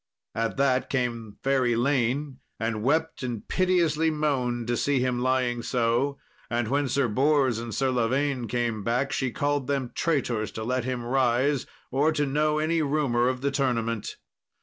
At that came fair Elaine and wept and piteously moaned to see him lying so. And when Sir Bors and Sir Lavaine came back, she called them traitors to let him rise, or to know any rumour of the tournament.